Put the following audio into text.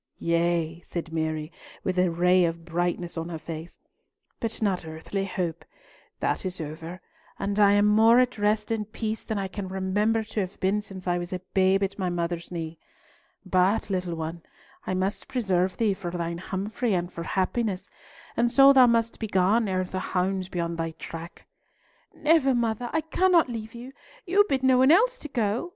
yea," said Mary, with a ray of brightness on her face, "but not earthly hope. That is over, and I am more at rest and peace than I can remember to have been since I was a babe at my mother's knee. But, little one, I must preserve thee for thine Humfrey and for happiness, and so thou must be gone ere the hounds be on thy track." "Never, mother, I cannot leave you. You bid no one else to go!"